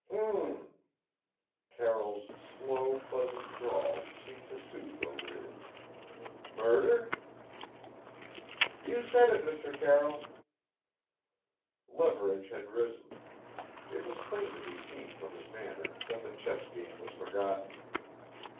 "H m!" Carroll's slow, pleasant drawl seemed to soothe O'Leary. "Murder?" "You said it, Mr. Carroll." Leverage had risen. It was plain to be seen from his manner that the chess game was forgotten.